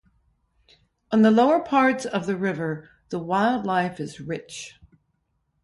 On the lower parts of the river the wildlife is rich.